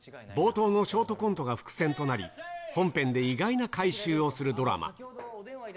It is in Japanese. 冒頭のショートコントが伏線となり、本編で意外な回収をするドラマ。